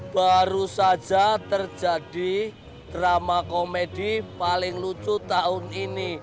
baru saja terjadi drama komedi paling lucu tahun ini